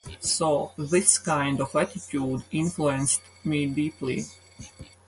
So this kind of attitude influenced me deeply.